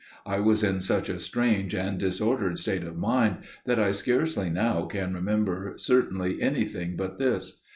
I was in such a strange and disordered state of mind that I scarcely now can remember certainly anything but this.